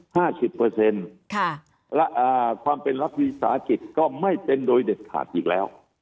ค่ะและความเป็นรัฐวิสาหกิจก็ไม่เป็นโดยเด็ดขาดอีกแล้ว